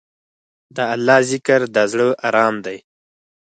د الله ذکر، د زړه ارام دی.